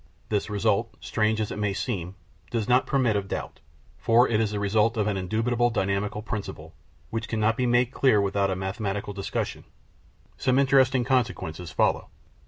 This result, strange as it may seem, does not permit of doubt, for it is the result of an indubitable dynamical principle, which cannot be made clear without a mathematical discussion. Some interesting consequences follow.